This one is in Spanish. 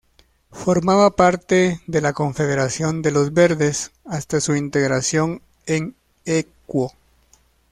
Formaba parte de la Confederación de Los Verdes hasta su integración en Equo.